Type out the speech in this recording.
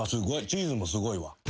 チーズもすごいわ。